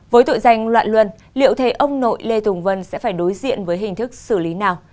với tội danh loạn luân liệu thế ông nội lê thùng vân sẽ phải đối diện với hình thức xử lý nào